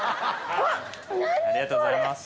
ありがとうございます。